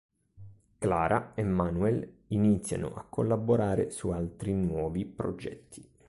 Clara e Manuel iniziano a collaborare su altri nuovi progetti.